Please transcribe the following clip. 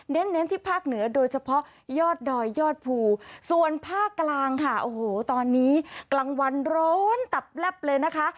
เน้นที่ภาคเหนือโดยเฉพาะยอดดอยยอดภูส่วนภาคกลางค่ะโอ้โหตอนนี้กลางวันร้อนตับแลบเลยนะคะ